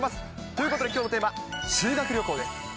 ということで、きょうのテーマ、修学旅行です。